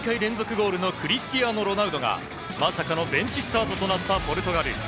ゴールのクリスティアーノ・ロナウドがまさかのベンチスタートとなったポルトガル。